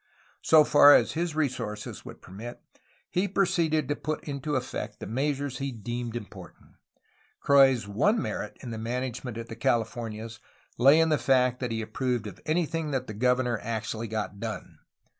So far as his resources would permit, he proceeded to put into effect the measures he deemed important. Croix's one merit in the management of the Californias lay in the fact that he approved anything that the governor actually got done.